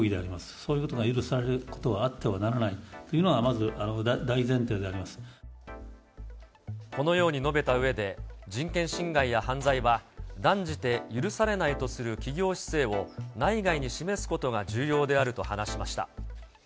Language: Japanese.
そういうことが許されることはあってはならないというのは、このように述べたうえで、人権侵害や犯罪は断じて許されないとする企業姿勢を内外に示すことが重要であると話しました。